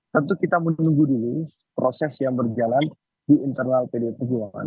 tentu kita menunggu dulu proses yang berjalan di internal pdi perjuangan